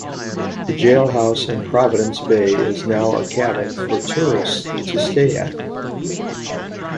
The jailhouse in Providence Bay is now a cabin for tourists to stay at.